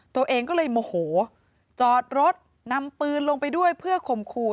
ตัวเองก็เลยโมโหจอดรถนำปืนลงไปด้วยเพื่อข่มขู่